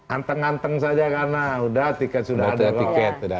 anteng anteng saja karena sudah ada tiket